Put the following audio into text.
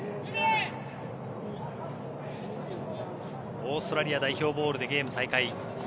オーストラリア代表ボールでゲーム再開。